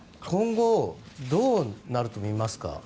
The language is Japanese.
今後どうなると見ますか？